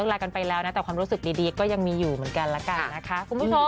อันนี้น่าจะต้นเดือนหน้านะคะ